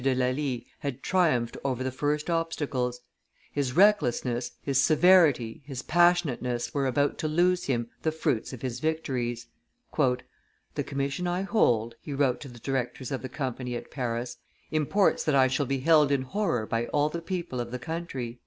de Lally had triumphed over the first obstacles; his recklessness, his severity, his passionateness were about to lose him the fruits of his victories. "The commission I hold," he wrote to the directors of the Company at Paris, "imports that I shall be held in horror by all the people of the country."